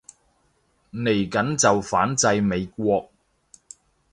嚟緊就反制美國